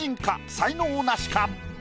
才能ナシか？